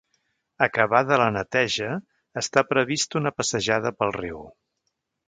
Acabada la neteja, està prevista una passejada pel riu.